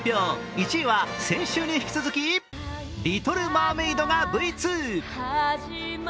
１位は先週に引き続き「リトル・マーメイド」がＶ２。